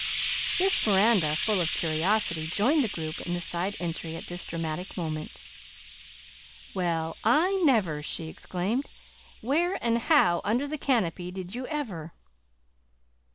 Miss Miranda, full of curiosity, joined the group in the side entry at this dramatic moment. "Well, I never!" she exclaimed. "Where, and how under the canopy, did you ever?"